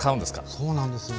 そうなんですよ。